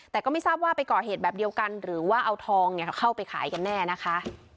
แต่ก็ไม่ทราบว่าไปก่อเหตุแบบเดียวกันหรือว่าเอาทองเข้าไปขายกันแน่นะคะ